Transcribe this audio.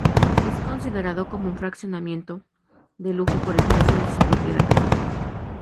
Es considerado como un fraccionamiento de lujo por el precio de sus propiedades.